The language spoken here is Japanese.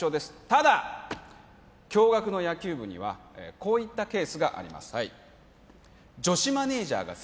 ただ共学の野球部にはこういったケースがあります